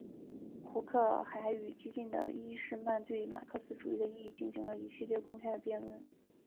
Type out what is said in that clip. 胡克还与激进的伊士曼对马克思主义的意义进行了一系列公开的辩论。